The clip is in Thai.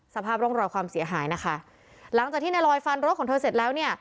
สภาพร่องรอยความเสียหายนะคะหลังจากที่ในลอยฟันรถของเธอเสร็จแล้วเนี่ย